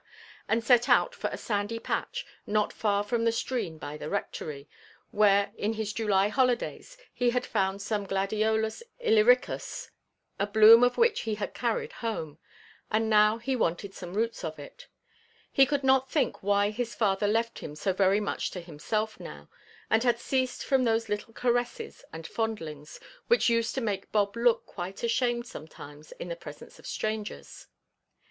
and set out for a sandy patch, not far from the stream by the Rectory, where in his July holidays he had found some Gladiolus Illyricus, a bloom of which he had carried home, and now he wanted some roots of it. He could not think why his father left him so very much to himself now, and had ceased from those little caresses and fondlings, which used to make Bob look quite ashamed sometimes in the presence of strangers.